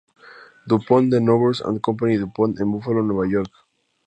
Du Pont de Nemours and Company DuPont, en Buffalo, Nueva York.